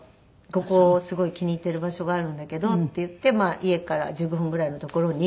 「ここすごい気に入ってる場所があるんだけど」って言って家から１５分ぐらいの所に。